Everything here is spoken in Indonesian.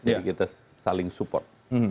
jadi kita saling support